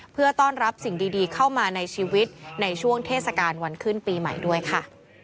เพื่อต้อนรับสิ่งดีเข้ามาในชีวิตในช่วงเทศกาลวันขึ้นปีใหม่ด้วยค่ะ